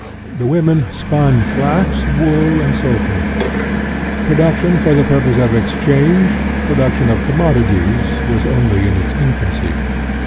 The women spun flax, wool, and so forth. Production for the purpose of exchange, production of commodities, was only in its infancy.